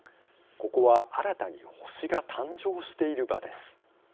ここは新たに星が誕生している場です。